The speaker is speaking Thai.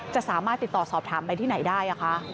จะสามารถติดต่อสอบถามไปที่ไหนได้คะ